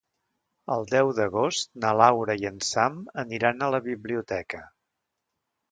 El deu d'agost na Laura i en Sam aniran a la biblioteca.